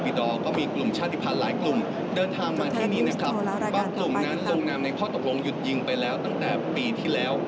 บางกลุ่มนั้นลงนำในข้อตกลงหยุดยิงไปแล้วตั้งแต่ปีที่แล้ว